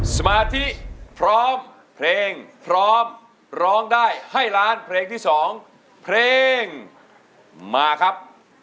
สมาธิพร้อมเพลงพร้อมร้องได้ให้ล้านเพลงที่๒เพลงมาครับ